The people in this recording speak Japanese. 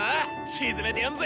沈めてやんぜ！